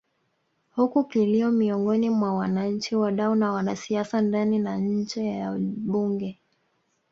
Huku kilio miongoni mwa wananchi wadau na wanasiasa ndani na nje ya Bunge